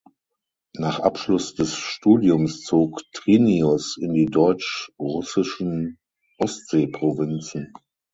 Nach Abschluss des Studiums zog Trinius in die deutsch-russischen Ostseeprovinzen.